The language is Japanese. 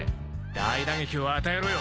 大打撃を与えろよ。